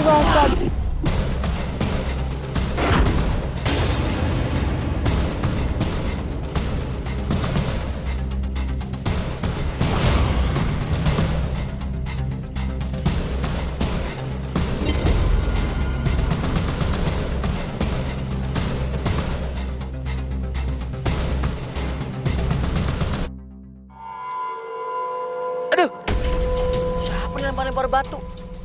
siapa ini lempar lempar batu